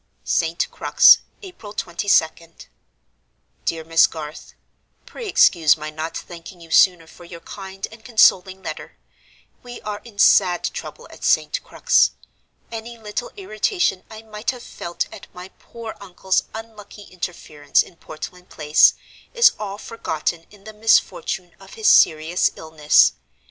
"St. Crux, April 22d. "DEAR MISS GARTH, "Pray excuse my not thanking you sooner for your kind and consoling letter. We are in sad trouble at St. Crux. Any little irritation I might have felt at my poor uncle's unlucky interference in Portland Place is all forgotten in the misfortune of his serious illness.